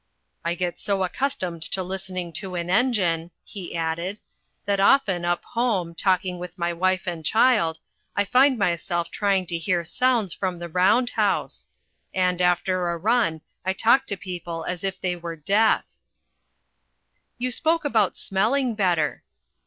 "I get so accustomed to listening to an engine," he added, "that often up home, talking with my wife and child, I find myself trying to hear sounds from the round house. And, after a run, I talk to people as if they were deaf." "You spoke about smelling better."